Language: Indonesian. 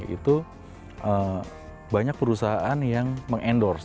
itu banyak perusahaan yang meng endorse